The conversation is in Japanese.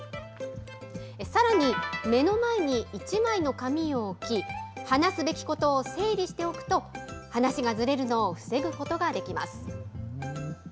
さらに、目の前に一枚の紙を置き、話すべきことを整理しておくと、話がずれるのを防ぐことができます。